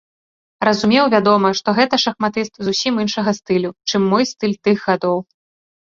Разумеў, вядома, што гэта шахматыст зусім іншага стылю, чым мой стыль тых гадоў.